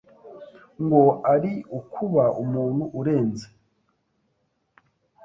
ngo ari ukuba umuntu urenze,